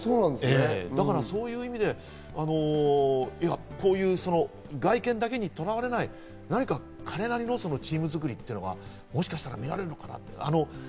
だからそういう意味で外見だけにとらわれない彼なりのチーム作りというのがもしかしたら見られるのかな。